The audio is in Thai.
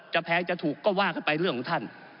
แพงจะถูกก็ว่ากันไปเรื่องของท่าน